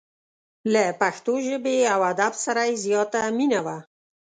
له پښتو ژبې او ادب سره یې زیاته مینه وه.